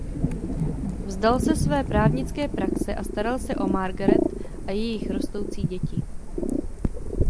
Vzdal se své právnické praxe a staral o Margaret a jejich rostoucí děti.